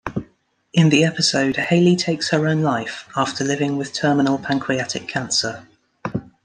In the episode, Hayley takes her own life, after living with terminal pancreatic cancer.